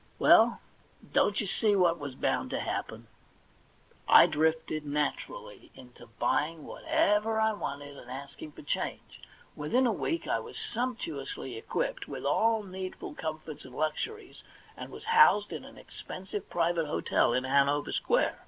Well, don't you see what was bound to happen ? I drifted naturally into buying whatever I wanted, and asking for change. Within a week I was sumptuously equipped with all needful comforts and luxuries, and was housed in an expensive private hotel in Hanover Square.